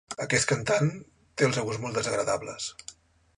Aquest cantant té els aguts molt desagradables.